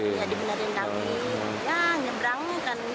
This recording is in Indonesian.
ya nyeberangnya kan